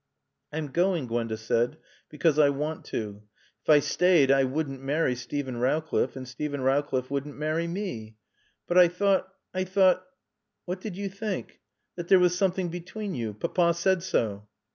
"I'm going," Gwenda said, "because I want to. If I stayed I wouldn't marry Steven Rowcliffe, and Steven Rowcliffe wouldn't marry me." "But I thought I thought " "What did you think?" "That there was something between you. Papa said so."